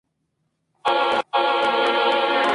Su programación se centraba en la emisión de videos musicales.